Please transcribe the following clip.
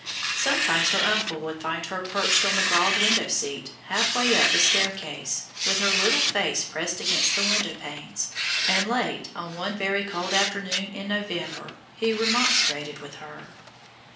Sometimes her uncle would find her perched on the broad window seat half way up the staircase, with her little face pressed against the windowpanes, and late on one very cold afternoon in November he remonstrated with her.